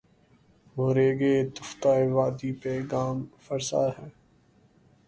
وہ ریگِ تفتۂ وادی پہ گام فرسا ہے